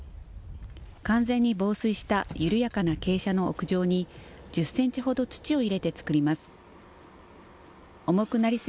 完全に防水した緩やかな傾斜の屋上に、１０センチほど土を入れて作ります。